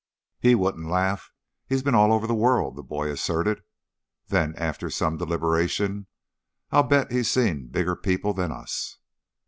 "He wouldn't laugh. He's been all over the world," the boy asserted. Then, after some deliberation, "I bet he's seen bigger people than us."